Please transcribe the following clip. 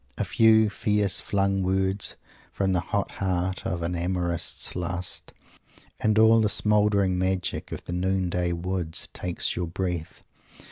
A few fierce flung words, from the hot heart of an amorist's lust, and all the smouldering magic of the noon day woods takes your breath.